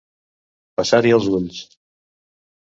Passar-hi els ulls.